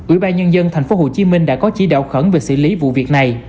ủy ban nhân dân tp hcm đã có chỉ đạo khẩn về xử lý vụ việc này